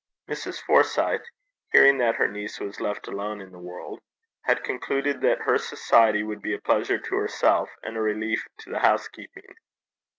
Mrs. Forsyth, hearing that her niece was left alone in the world, had concluded that her society would be a pleasure to herself and a relief to the housekeeping.